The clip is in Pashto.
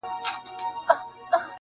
• شنه به له خندا سي وايي بله ورځ -